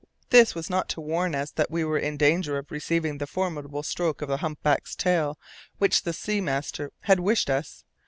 This was not to warn us that we were in danger of receiving the formidable stroke of the humpback's tail which the sealing master had wished us.